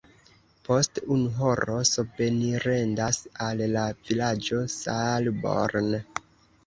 Post unu horo sobenirendas al la vilaĝo Saalborn.